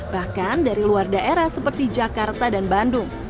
bahkan dari luar daerah seperti jakarta dan bandung